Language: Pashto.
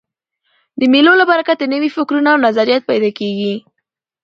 د مېلو له برکته نوي فکرونه او نظریات پیدا کېږي.